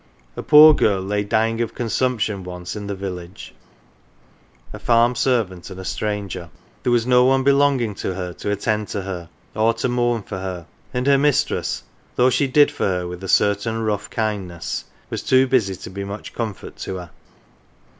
A poor girl lay dying of consumption once in the village a farm servant and a stranger ; there was no one belong ing to her to attend her, or to mourn for her, and her mistress, though she " did for her " with a certain rough kindness, was too busy to be much comfort to her.